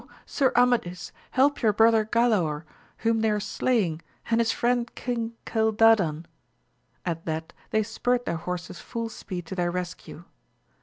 Sir Amadis ! help your brother Galaor, whom they are slaying, and his friend King Cildadan, At that they spurred their horses ftdl speed to their rescue.